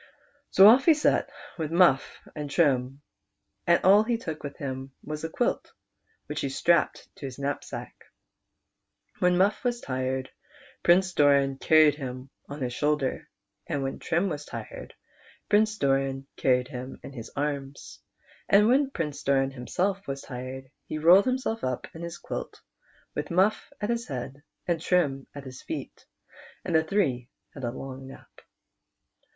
So off lie set with Mufif and Trim, and all he took with him was a quilt, which he strapped to his knapsack. When ISO PRINCE DOR AN, Muff was tired, Prince Doran carried him on his shoulder ; when Trim was tired, Prince Doran carried him in his arms ; and when Prince Doran himself was tired, he rolled himself up in his quilt, with Muff at his head and Trim at his feet, and the three had a long nap.